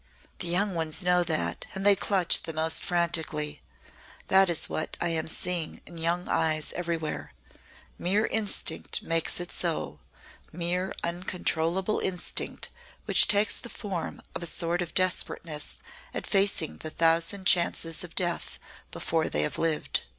"The young ones know that, and they clutch the most frantically. That is what I am seeing in young eyes everywhere. Mere instinct makes it so mere uncontrollable instinct which takes the form of a sort of desperateness at facing the thousand chances of death before they have lived.